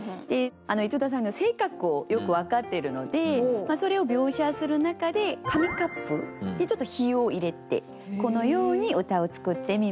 井戸田さんの性格をよく分かってるのでそれを描写する中で紙コップにちょっと比喩を入れてこのように歌を作ってみました。